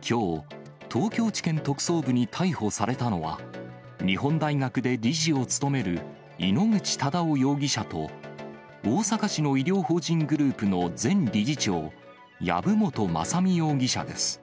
きょう、東京地検特捜部に逮捕されたのは、日本大学で理事を務める、井ノ口忠男容疑者と、大阪市の医療法人グループの前理事長、籔本雅巳容疑者です。